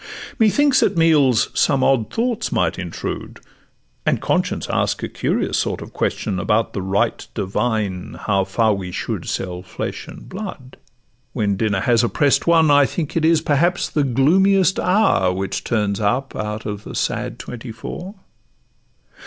Methinks at meals some odd thoughts might intrude, And conscience ask a curious sort of question, About the right divine how far we should Sell flesh and blood. When dinner has opprest one, I think it is perhaps the gloomiest hour Which turns up out of the sad twenty four.